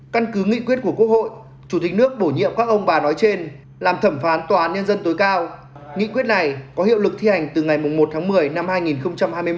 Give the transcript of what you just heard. căn cứ nghị quyết của quốc hội chủ tịch nước bổ nhiệm các ông bà nói trên làm thẩm phán tòa án nhân dân tối cao nghị quyết này có hiệu lực thi hành từ ngày một tháng một mươi năm hai nghìn hai mươi một